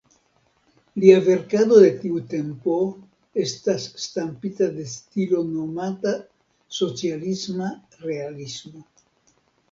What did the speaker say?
Lia verkado de tiu tempo estas stampita de stilo nomata socialisma realismo.